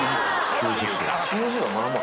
９０分。